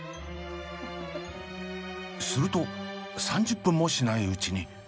すると３０分もしないうちに。